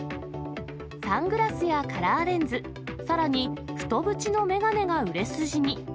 サングラスやカラーレンズ、さらに太縁の眼鏡が売れ筋に。